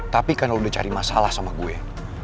tapi karena udah cari masalah sama gue